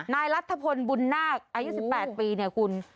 นายรัฐพลบุญนาคอายุ๑๘ปีเนี่ยคุณ